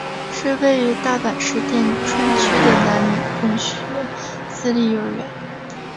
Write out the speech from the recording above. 是位于大阪市淀川区的男女共学私立幼儿园。